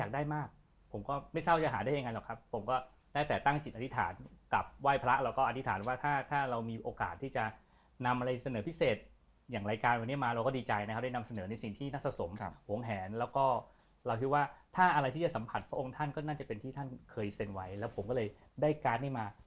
ดีใจนะครับได้นำเสนอในสิ่งที่นักสะสมครับโหงแหนแล้วก็เราคิดว่าถ้าอะไรที่จะสัมผัสพระองค์ท่านก็น่าจะเป็นที่ท่านเคยเซ็นไว้แล้วผมก็เลยได้การ์ดนี้มา